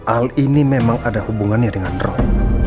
al ini memang ada hubungannya dengan roh